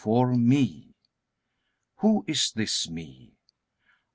For me. Who is this "me"?